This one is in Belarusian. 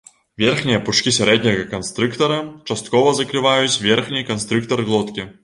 Верхнія пучкі сярэдняга канстрыктара часткова закрываюць верхні канстрыктар глоткі.